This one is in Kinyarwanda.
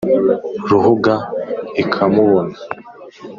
ruhuga ikamubona